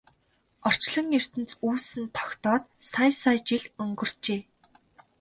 Орчлон ертөнц үүсэн тогтоод сая сая жил өнгөрчээ.